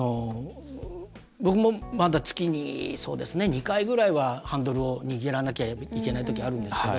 僕もまだ月に２回ぐらいはハンドルを握らなきゃいけないときがあるんですけど。